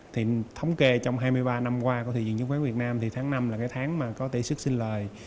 thống kê trong hai mươi ba năm qua của thị trường chứng khoán việt nam tháng năm là tháng có thể xức xin lời